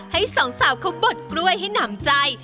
ให้สองสาวเขาบดกล้วยให้หนำใจ